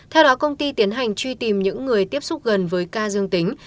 theo đó công ty tiến hành truy tìm những người tiếp xúc gần với ca dương tính